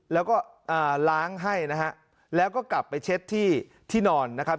แล้วก็ล้างให้นะฮะแล้วก็กลับไปเช็ดที่ที่นอนนะครับ